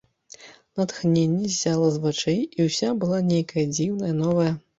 Натхненне ззяла з вачэй, і ўся была нейкая дзіўная, новая.